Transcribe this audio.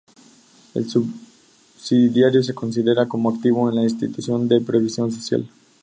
El subsidiario se considera como activo en la institución de previsión social.